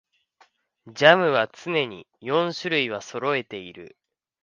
ジャムは常に四種類はそろえている